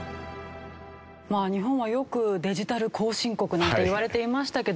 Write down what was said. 日本はよく「デジタル後進国」なんていわれていましたけど